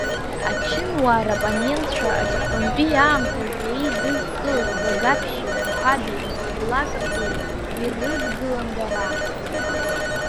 Ачынуаа роппонентцәа аҵыхәтәантәи аамҭаз еидызкылаз Багаԥшьи Анқәаби, лакрбеи ирыдгылан дара.